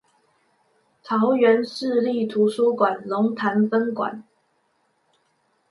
桃園市立圖書館龍潭分館